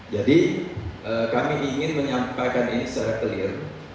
jadi kami ingin menyampaikan ini secara clear